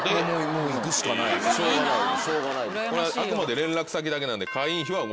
これあくまで連絡先だけなんで。